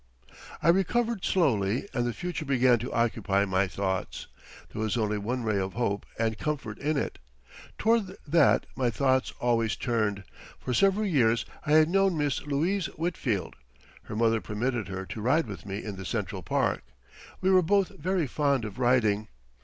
I recovered slowly and the future began to occupy my thoughts. There was only one ray of hope and comfort in it. Toward that my thoughts always turned. For several years I had known Miss Louise Whitfield. Her mother permitted her to ride with me in the Central Park. We were both very fond of riding.